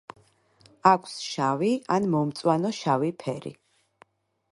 აქვს შავი ან მომწვანო შავი ფერი.